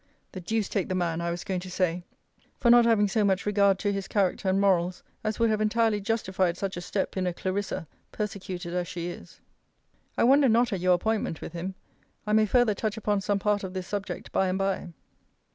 The duce take the man, I was going to say, for not having so much regard to his character and morals, as would have entirely justified such a step in a CLARISSA, persecuted as she is! * See Letter XVIII. I wonder not at your appointment with him. I may further touch upon some part of this subject by and by.